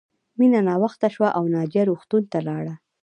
مینه ناوخته شوه او ناجیه روغتون ته لاړه